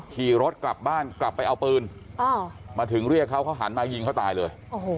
ขี่รถกลับบ้านกลับไปเอาปืนมาถึงเรียกเขาเขาหันมายิงเขาตายเลย